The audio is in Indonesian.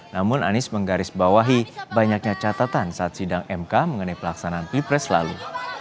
namun anies menggarisbawahi banyaknya catatan saat sidang mk mengenai pelaksanaan pilpres lalu